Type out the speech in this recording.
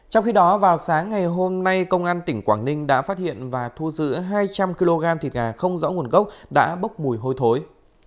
trong khi đó vào sáng ngày hôm nay công an tỉnh quảng ninh đã phát hiện và thu giữ hai trăm linh kg thịt gà không rõ nguồn gốc đã bốc mùi hôi thối